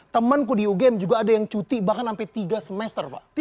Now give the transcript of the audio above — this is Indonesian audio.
temanku di ugm juga ada yang cuti bahkan sampai tiga semester pak